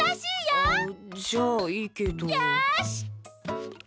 よし！